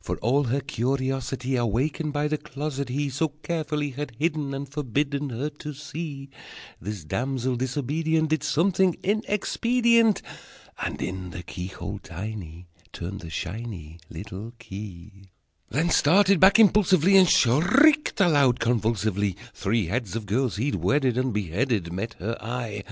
For, all her curiosity Awakened by the closet he So carefully had hidden, And forbidden Her to see, This damsel disobedient Did something inexpedient, And in the keyhole tiny Turned the shiny Little key: Then started back impulsively, And shrieked aloud convulsively Three heads of girls he'd wedded And beheaded Met her eye!